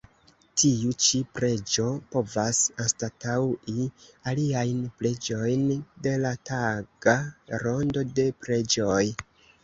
Tiu ĉi preĝo povas anstataŭi aliajn preĝojn de la taga rondo de preĝoj.